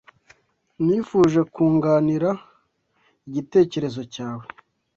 Nifuje kunganira igitekerezo cyawe